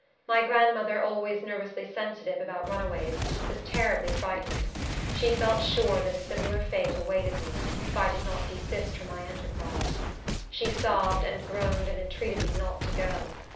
My grandmother, always nervously sensitive about runaways, was terribly frightened. She felt sure that a similar fate awaited me, if I did not desist from my enterprise. She sobbed, and groaned, and entreated me not to go.